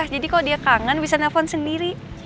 jadi kalau dia kangen bisa telepon sendiri